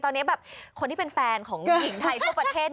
ตอนนี้แบบคนที่เป็นแฟนของหญิงไทยทั่วประเทศ